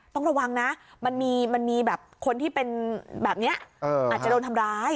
ต้องระวังนะมันมีแบบคนที่เป็นแบบนี้อาจจะโดนทำร้าย